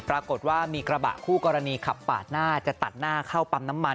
ปรากฏว่ามีกระบะคู่กรณีขับปาดหน้าจะตัดหน้าเข้าปั๊มน้ำมัน